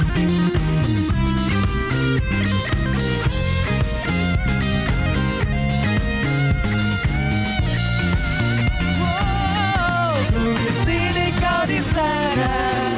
kudisini kau disana